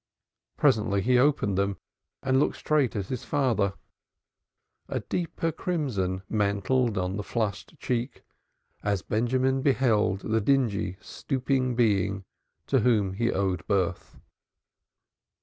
Presently he opened them and looked straight at his father. A deeper crimson mantled on the flushed cheek as Benjamin beheld the dingy stooping being to whom he owed birth.